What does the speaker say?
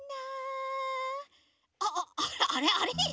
ああっあれあれ？